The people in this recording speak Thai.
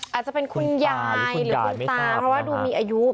อาจจะเป็นคุณยายหรือคุณตาเพราะว่าดูมีอายุ